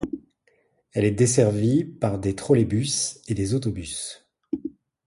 Elle est desservie par des Trolleybus et des autobus.